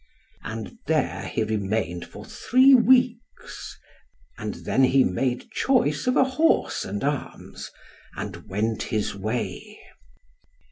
And there he remained for three weeks, and then he made choice of a horse and arms, and went his way.